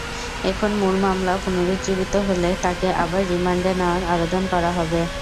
এখন মূল মামলা পুনরুজ্জীবিত হলে তাঁকে আবার রিমান্ডে নেওয়ার আবেদন করা হবে।